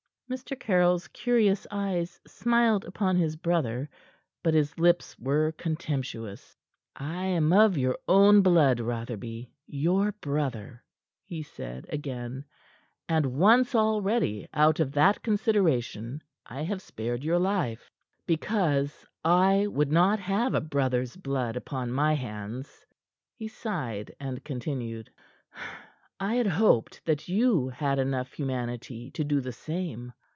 Mr Caryll's curious eyes smiled upon his brother, but his lips were contemptuous. "I am of your own blood, Rotherby your brother," he said again, "and once already out of that consideration I have spared your life because I would not have a brother's blood upon my hands." He sighed, and continued: "I had hoped that you had enough humanity to do the same.